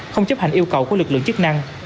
không chấp hành yêu cầu của lực lượng chức năng